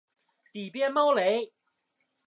底边猫雷！